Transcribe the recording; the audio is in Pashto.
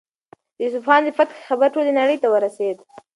د اصفهان د فتحې خبر ټولې نړۍ ته ورسېد.